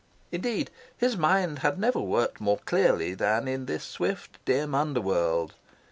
Indeed, his mind had never worked more clearly than in this swift dim underworld.